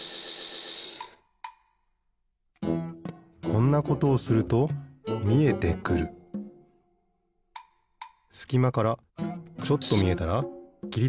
こんなことをするとみえてくるすきまからちょっとみえたらきりとってペタン。